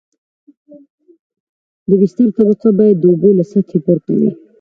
د بستر طبقه باید د اوبو له سطحې پورته وي